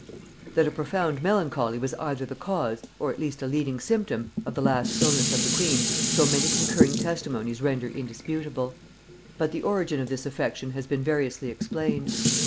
] That a profound melancholy was either the cause, or at least a leading symptom, of the last illness of the queen, so many concurring testimonies render indisputable; but the origin of this affection has been variously explained.